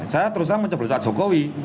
saya terus sama coblos pak jokowi